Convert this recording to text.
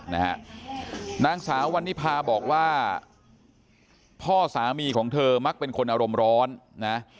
นางสาววันนิพาบอกว่าพ่อสามีของเธอมักเป็นคนอารมณ์ร้อนนะ